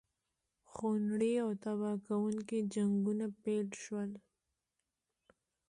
خونړي او تباه کوونکي جنګونه پیل شول.